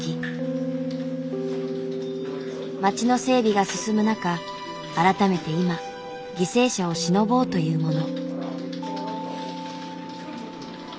町の整備が進む中改めて今犠牲者をしのぼうというもの。